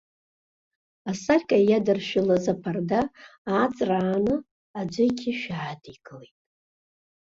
Асаркьа иадыршәылаз аԥарда ааҵрааны, аӡәы иқьышә аадикылеит.